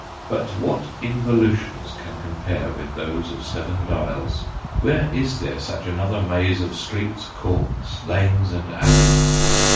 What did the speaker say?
But what involu tions can compare with those of Seven Dials ? Where is there such another maze of streets, courts, lanes, and alleys